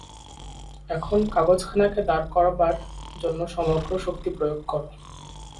এখন কাগজখানাকে দাঁড় করবার জন্য সমগ্র শক্তি প্রয়োগ কর।